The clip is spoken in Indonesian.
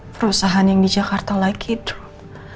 perusahaan yang di jakarta lagi tuh